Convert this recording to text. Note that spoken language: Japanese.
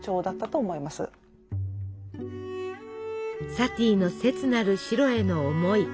サティの切なる「白」への思い。